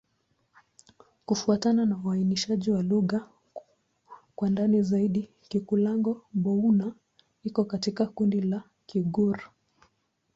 Kufuatana na uainishaji wa lugha kwa ndani zaidi, Kikulango-Bouna iko katika kundi la Kigur.